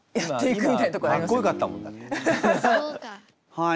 はい。